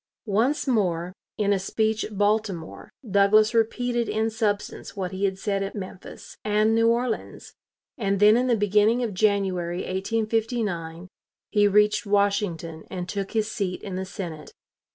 Once more, in a speech at Baltimore, Douglas repeated in substance what he had said at Memphis and New Orleans, and then in the beginning of January, 1859, he reached Washington and took his seat in the Senate.